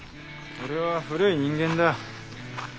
俺は古い人間だ。